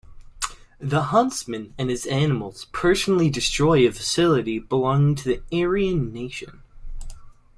The Huntsman and his animals personally destroy a facility belonging to the Aryan Nation.